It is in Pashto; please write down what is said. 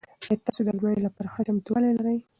آیا تاسو د ازموینې لپاره ښه چمتووالی لرئ؟